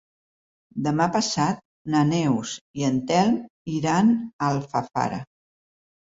Demà passat na Neus i en Telm iran a Alfafara.